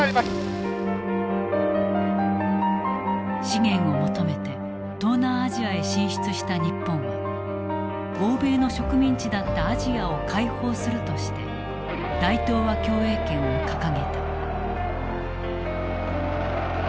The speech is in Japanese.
資源を求めて東南アジアへ進出した日本は欧米の植民地だったアジアを解放するとして大東亜共栄圏を掲げた。